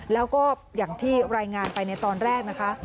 แล้วก็อย่างที่รายงานไปในตอนแรกนะคะ